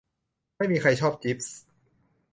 ไม่มีใครชอบจีฟส์